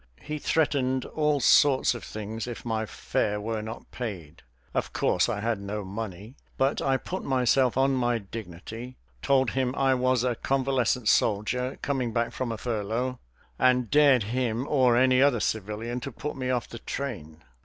He threatened all sorts of things if my fare were not paid, of course I had no money, but I put myself on my dignity, told him I was a convalescent soldier coming back from a furlough, and dared him or any other civilian to put me off the train.